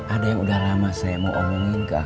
ada yang udah lama saya mau omongin ke akam